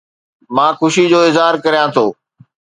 مان خوشي جو اظهار ڪريان ٿو